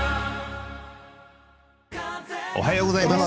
おはようございます。